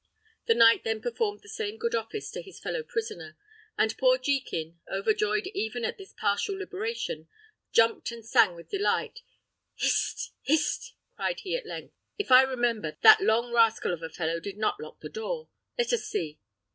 The knight then performed the same good office to his fellow prisoner; and poor Jekin, overjoyed even at this partial liberation, jumped and sang with delight. "Hist! hist!" cried he, at length; "if I remember, that long rascal of a fellow did not lock the door: let us see.